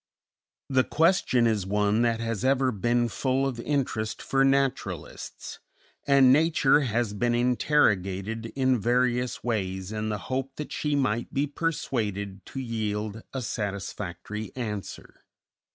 The question is one that has ever been full of interest for naturalists, and Nature has been interrogated in various ways in the hope that she might be persuaded to yield a satisfactory answer.